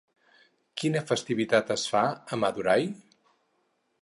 Quina festivitat es fa a Madurai?